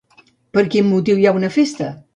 Per quin motiu hi ha una festa?